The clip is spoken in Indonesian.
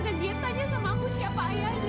dan dia tanya sama aku siapa ayahnya